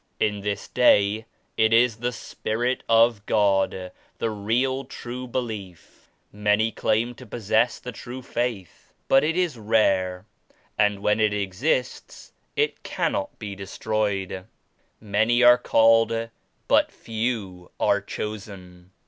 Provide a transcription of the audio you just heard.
In this day it is the Spirit of God, the real true belief. Many claim to possess the true Faith but it is rare and when it exists it cannot be de stroyed. 'Many are called but few are chosen.'